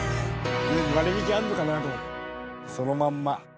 割り引きあるのかなと思ったらそのまんま。